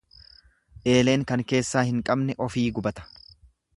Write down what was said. Eeleen kan keessaa hin qabne ofii gubata.